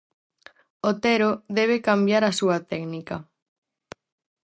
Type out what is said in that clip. Otero debe cambiar a súa técnica.